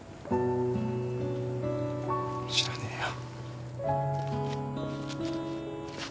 知らねえよ。